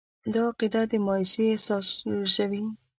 دا عقیده د مایوسي احساس رژوي.